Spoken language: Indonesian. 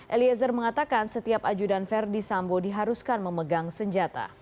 eliezer mengatakan setiap ajudan verdi sambo diharuskan memegang senjata